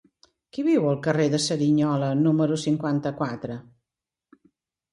Qui viu al carrer de Cerignola número cinquanta-quatre?